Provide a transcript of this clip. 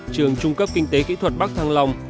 trường trung cấp kinh tế kỹ thuật bắc thăng long